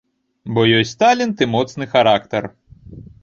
Бо ёсць талент і моцны характар.